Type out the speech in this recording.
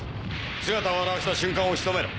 姿を現した瞬間をしとめろ。